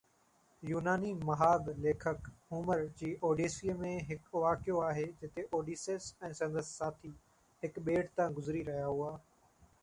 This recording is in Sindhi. يوناني مهاڳ ليکڪ هومر جي اوڊيسي ۾، هڪ واقعو آهي جتي اوڊيسيس ۽ سندس ساٿي هڪ ٻيٽ تان گذري رهيا هئا.